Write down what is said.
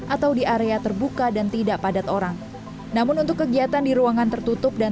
atau di area terbuka dan tidak padat orang namun untuk kegiatan di ruangan tertutup dan